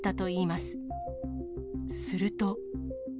すると。